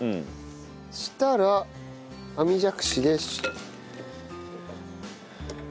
そしたら網じゃくしで。